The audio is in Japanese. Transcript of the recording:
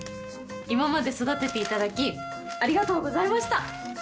今まで育てていただきありがとうございました！